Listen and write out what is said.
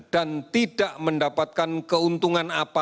dan tidak mendapatkan keuntungan apapun